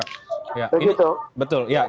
kita hanya menganalisis dari luar